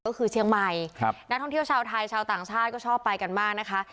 ก็คือเชียงใหม่ครับนักท่องเที่ยวชาวไทยชาวต่างชาติก็ชอบไปกันมากนะคะ